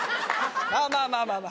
まあまあまあまあま